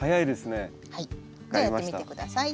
はい。